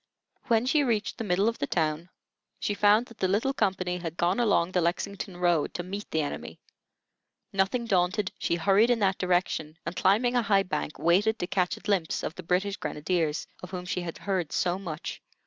When she reached the middle of the town she found that the little company had gone along the Lexington road to meet the enemy. Nothing daunted, she hurried in that direction and, climbing a high bank, waited to catch a glimpse of the British grenadiers, of whom she had heard so much.